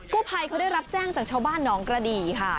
ภัยเขาได้รับแจ้งจากชาวบ้านหนองกระดีค่ะ